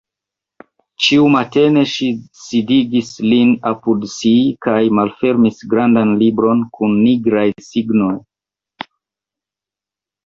Ĉiumatene ŝi sidigis lin apud si kaj malfermis grandan libron kun nigraj signoj.